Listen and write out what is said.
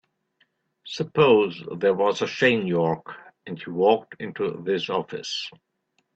Suppose there was a Shane York and he walked into this office.